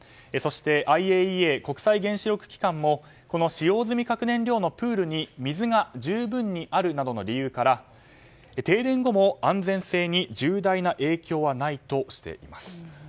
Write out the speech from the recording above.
そしてＩＡＥＡ・国際原子力機関もこの使用済み核燃料のプールに水が十分にあるなどの理由から停電後も安全性に重大な影響はないとしています。